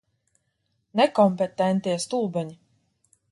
Nekompetentie stulbeņi.